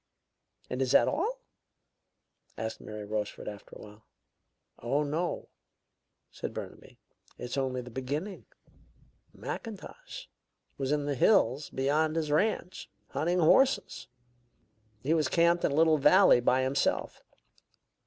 "And is that all?" asked Mary Rochefort, after a while. "Oh, no," said Burnaby; "it's only the beginning. Mackintosh was in the hills beyond his ranch, hunting horses. He was camped in a little valley by himself.